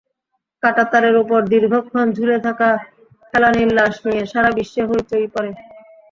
কাঁটাতারের ওপর দীর্ঘক্ষণ ঝুলে থাকা ফেলানীর লাশ নিয়ে সারা বিশ্বে হইচই পড়ে।